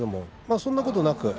そんなことはなく